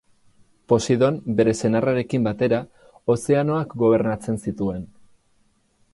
Poseidon bere senarrarekin batera, ozeanoak gobernatzen zituen.